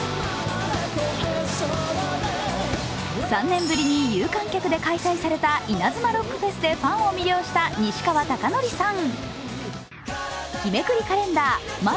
３年ぶりに有観客で開催されたイナズマロックフェスでファンを魅了した西川貴教さん。